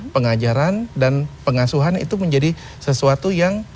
pengajaran dan pengasuhan itu menjadi sesuatu yang